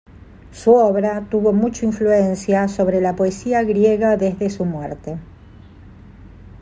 Su obra tuvo mucha influencia sobre la poesía griega desde su muerte.